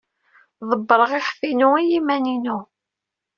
Ḍebbreɣ iɣef-inu i yiman-inu.